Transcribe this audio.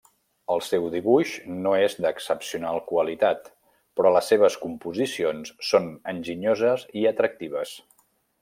El seu dibuix no és d'excepcional qualitat, però les seves composicions són enginyoses i atractives.